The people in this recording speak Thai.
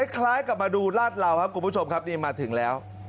คล้ายกับมาดูลาดเหลาครับคุณผู้ชมครับนี่มาถึงแล้ว